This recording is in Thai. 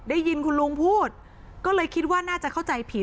ได้ยินคุณลุงพูดก็เลยคิดว่าน่าจะเข้าใจผิด